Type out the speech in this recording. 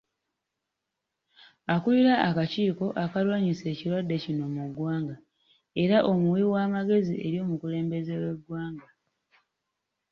Akulira akakiiko akalwanyisa ekirwadde kino mu ggwanga era omuwi w’amagezi eri omukulembeze w'eggwanga.